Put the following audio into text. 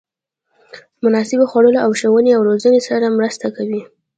مناسبو خوړو او ښوونې او روزنې سره مرسته کوي.